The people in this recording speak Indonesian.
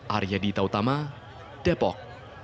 arya dita utama depok